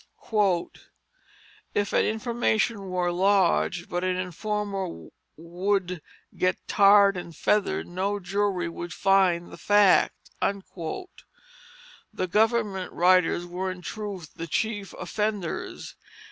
"If an information were lodg'd but an informer wou'd get tar'd and feather'd, no jury wou'd find the fact." The government riders were in truth the chief offenders.